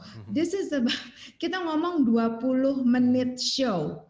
ini adalah kita ngomong dua puluh menit show